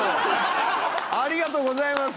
ありがとうございます。